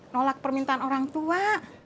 nolak permintaan orang tua